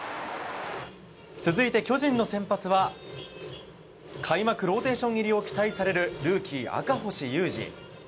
続いて、巨人の先発は開幕ローテーション入りを期待されるルーキー、赤星優志。